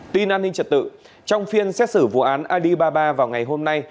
tin an ninh trật tự trong phiên xét xử vụ án alibaba vào ngày hôm nay